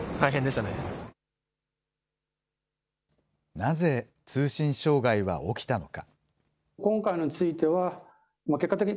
なぜ通信障害は起きたのか。